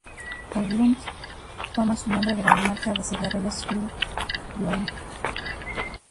El Blunt toma su nombre de la marca de cigarrillos "Phillies Blunt".